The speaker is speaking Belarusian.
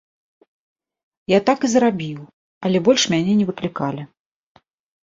Я так і зрабіў, але больш мяне не выклікалі.